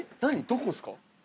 どこですか？